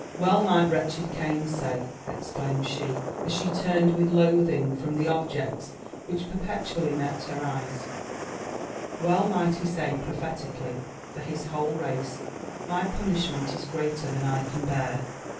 '' Well might wretched Gain say," exclaimed she, as she turned with loathing from tbe objects which perpetually met her eyes, —'' well might he say prophetically for his whole race, / My punUhment is greater than I can bear